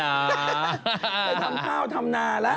ไปทำข้าวทำนาแล้ว